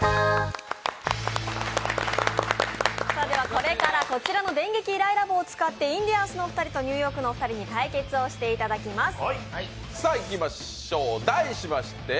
これからこちらの電撃イライラ棒を使ってインディアンスのお二人とニューヨークのお二人に対決をしていただきます。